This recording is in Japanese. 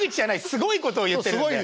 すごいことを言ってるんで。